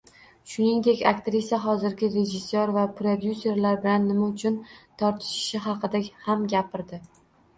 Shuningdek, aktrisa hozirgi rejissor va prodyuserlar bilan nima uchun tortishishi haqida ham gapirdi